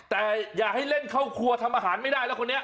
แต่อย่าให้เล่นเข้าครัวทำอาหารไม่ได้แล้วคนนี้